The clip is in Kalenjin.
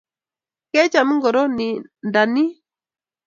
kecham ingiroo nin nda ni?